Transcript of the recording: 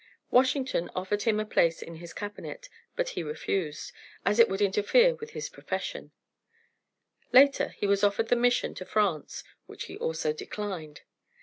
Washington offered him a place in his Cabinet, but he refused, as it would interfere with his profession; later he was offered the mission to France, which he also declined.